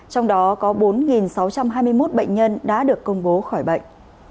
trong đó có bốn sáu trăm hai mươi một bệnh nhân đã được công bố khỏi bệnh